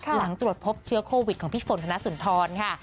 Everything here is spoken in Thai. หลังตรวจพบเชื้อโควิดของพี่ฝนธนสุนทรค่ะ